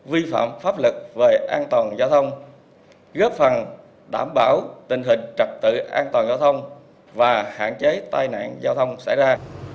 vi phạm pháp luật về an toàn giao thông góp phần đảm bảo tình hình trật tự an toàn giao thông và hạn chế tai nạn giao thông xảy ra